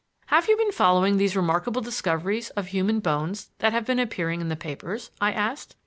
"Have you been following these remarkable discoveries of human bones that have been appearing in the papers?" I asked.